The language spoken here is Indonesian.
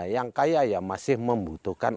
yang kaya ya masih membutuhkan